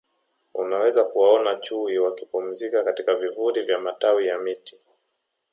Unaweza kuwaona Chui wakipumzika katika vivuli vya matawi ya miti